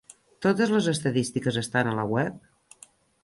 Totes les estadístiques estan a la web?